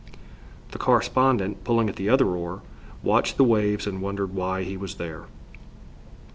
The correspondent, pulling at the other oar, watched the waves and wondered why he was there.